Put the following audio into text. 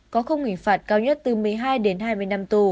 có không hình phạt cao nhất từ một mươi hai đến hai mươi năm